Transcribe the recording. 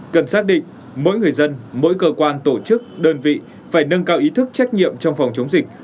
cần xác định mỗi người dân mỗi cơ quan tổ chức đơn vị phải nâng cao ý thức trách nhiệm trong phòng chống dịch